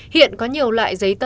hiện có nhiều loại giấy tờ